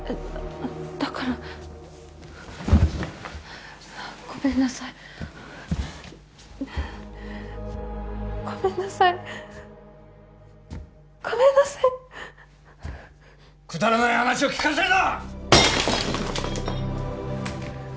だからごめんなさいごめんなさいごめんなさいっくだらない話を聞かせるな！